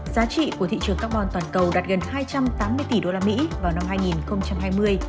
giá trị của thị trường carbon toàn cầu đạt gần hai trăm tám mươi tỷ usd vào năm hai nghìn hai mươi